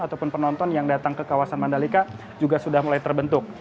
ataupun penonton yang datang ke kawasan mandalika juga sudah mulai terbentuk